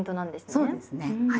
そうですねはい。